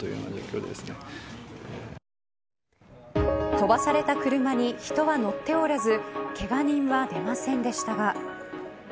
飛ばされた車に人は乗っておらずけが人は出ませんでしたが。